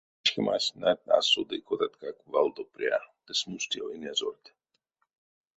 Вечкемась, нать, а соды кодаткак валдо пря ды смустев инязорт.